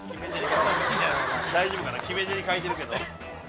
大丈夫かな決め手に欠いてるけど。